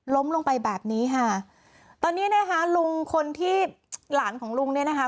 ลงไปแบบนี้ค่ะตอนนี้นะคะลุงคนที่หลานของลุงเนี่ยนะคะ